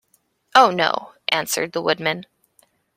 "Oh, no;" answered the Woodman.